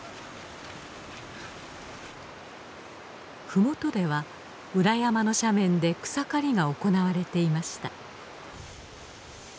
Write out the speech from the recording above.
ふもとでは裏山の斜面で草刈りが行われていました。